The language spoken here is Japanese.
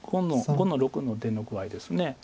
５の六の出の具合です。